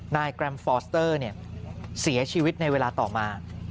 แกรมฟอร์สเตอร์เสียชีวิตในเวลาต่อมา